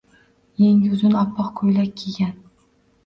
Yengi uzun oppoq ko‘ylak kiygan.